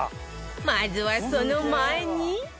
まずはその前に